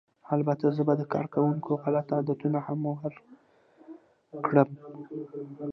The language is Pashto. البته زه به د کارکوونکو غلط عادتونه هم ورک کړم